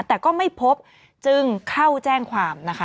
แต่ก็ไม่พบจึงเข้าแจ้งความนะคะ